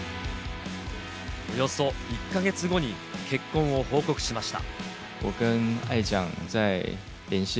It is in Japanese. およそ１か月後に結婚を報告しました。